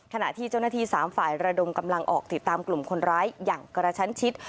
ขณะที่เจ้าหน้าที่๓ฝ่ายระดมกำลังออกติดตามกลุ่มคนร้ายอย่างกระชั้นชิด